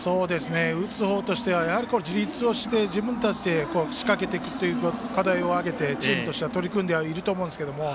打つ方としては自立をして自分たちで仕掛けていくという課題を挙げてチームとして取り組んでいるとは思うんですけれども。